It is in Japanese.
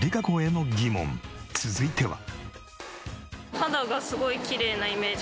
続いては。